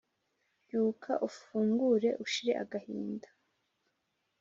Byuka ufungure ushire agahinda